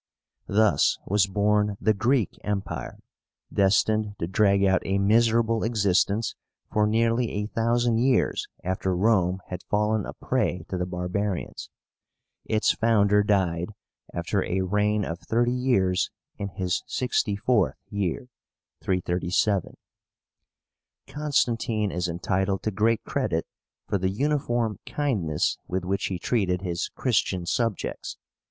Thus was born the GREEK EMPIRE, destined to drag out a miserable existence for nearly a thousand years after Rome had fallen a prey to the barbarians. Its founder died, after a reign of thirty years, in his sixty fourth year (337). Constantine is entitled to great credit for the uniform kindness with which he treated his Christian subjects.